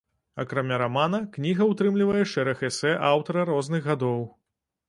Акрамя рамана, кніга ўтрымлівае шэраг эсэ аўтара розных гадоў.